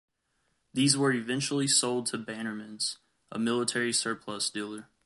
These were eventually sold to Bannerman's, a military surplus dealer.